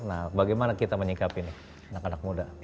nah bagaimana kita menyikapi ini anak anak muda